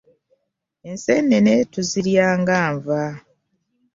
Ensenene tuzirya nga enva.